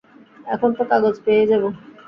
এখন তো কাগজ পেয়েই যাব।